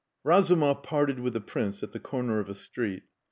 Razumov parted with the Prince at the corner of a street.